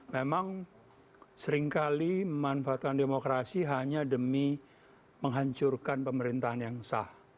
memang seringkali memanfaatkan demokrasi hanya demi menghancurkan pemerintahan yang sah